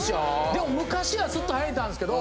でも昔はスッと入れたんですけど。